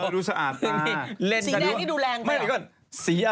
ดูสะอาดตา